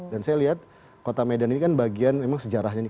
dan saya lihat kota medan ini kan bagian memang sejarahnya nih